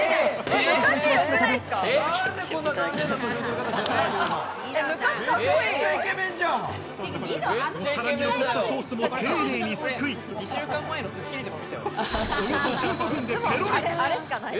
お皿に残ったソースも丁寧にすくい、およそ１５分でペロリ。